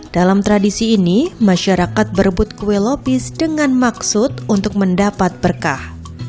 dalam tradisi ini masyarakat berebut kue lapis dengan maksud untuk mendapat berkah